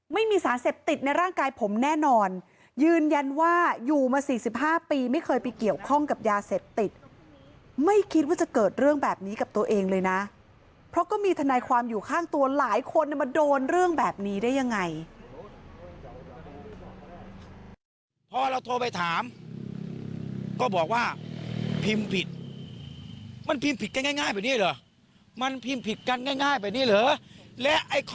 ไม่มีสารเสพติดในร่างกายผมแน่นอนยืนยันว่าอยู่มา๔๕ปีไม่เคยไปเกี่ยวข้องกับยาเสพติดไม่คิดว่าจะเกิดเรื่องแบบนี้กับตัวเองเลยนะเพราะก็มีทนายความอยู่ข้างตัวหลายคนมาโดนเรื่องแบบนี้ได้ยังไง